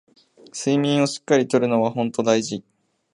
睡眠をしっかり取るのはほんと大事